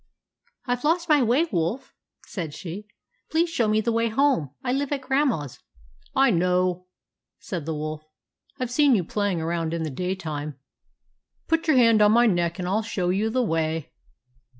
" I Ve lost my way, wolf," said she ;" please show me the way home. I live at Grandma's." " I know," said the wolf, " I Ve seen you playing around in the daytime. " Put your hand on my neck and I '11 show you the way."